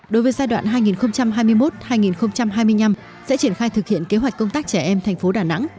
đối với giai đoạn hai nghìn hai mươi một hai nghìn hai mươi năm sẽ triển khai thực hiện kế hoạch công tác trẻ em thành phố đà nẵng